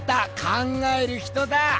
「考える人」だ！